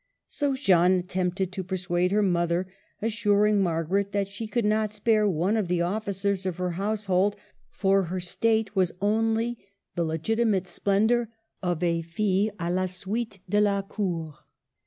So Jeanne at tempted to persuade her mother, assuring Margaret that she could not spare one of the officers of her household, for her state was only the legitimate splendor of a fille a la suite de la cour.